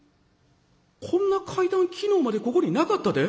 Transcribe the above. こんな階段昨日までここになかったで。